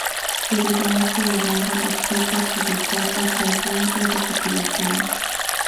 Debido a esto la banda opto por publicar otro álbum de recopilaciones.